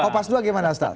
kopas dua gimana stal